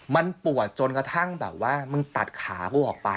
มันปวดจนกระทั่งแบบว่ามึงตัดขากูออกไป